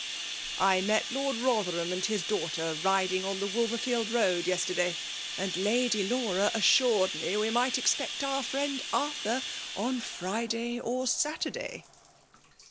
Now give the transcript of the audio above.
" I met Lord Rother ham and his daughter riding on the Wolver field Hoad yesterday; and Lady Laura as siured me we might esqpect our friend Artiiur on Friday or Saturday.